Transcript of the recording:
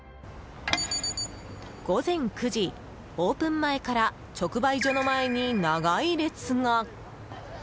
午前９時、オープン前から直売所の前に長い列が。